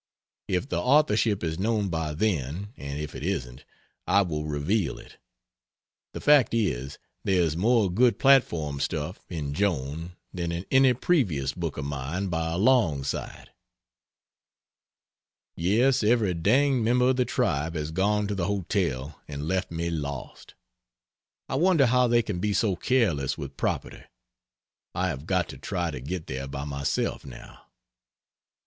If the authorship is known by then; and if it isn't, I will reveal it. The fact is, there is more good platform stuff in Joan than in any previous book of mine, by a long sight. Yes, every danged member of the tribe has gone to the hotel and left me lost. I wonder how they can be so careless with property. I have got to try to get there by myself now.